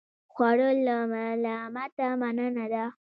خوړل له نعمته مننه ده